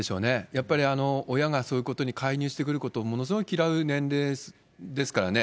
やっぱり親がそういうことに介入してくることをものすごい嫌う年齢ですからね。